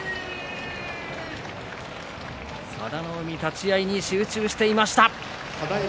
佐田の海、立ち合いに集中していました。